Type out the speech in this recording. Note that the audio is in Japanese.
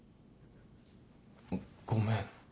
ごめん。